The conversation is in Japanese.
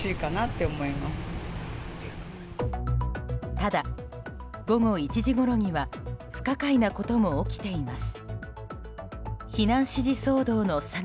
ただ、午後１時ごろには不可解なことも起きています。